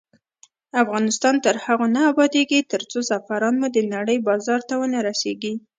افغانستان تر هغو نه ابادیږي، ترڅو زعفران مو د نړۍ بازار ته ونه رسیږي.